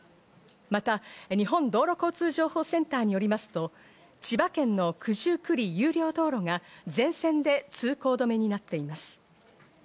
また日本道路交通情報センターによりますと、千葉県の九十九里有料道路が全線で通行止めになっています。